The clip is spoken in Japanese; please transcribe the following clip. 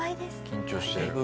緊張してる。